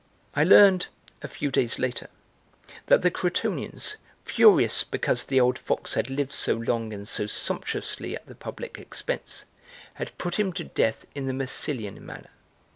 I learned, a few days later, that the Crotonians, furious because the old fox had lived so long and so sumptuously at the public expense, had put him to death in the Massilian manner.